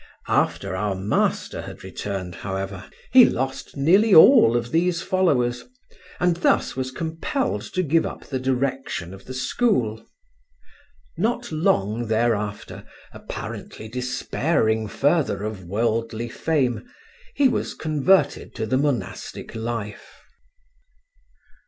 After our master had returned, however, he lost nearly all of these followers, and thus was compelled to give up the direction of the school. Not long thereafter, apparently despairing further of worldly fame, he was converted to the monastic life.